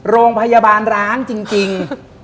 โรงพยาบาลร้างจริง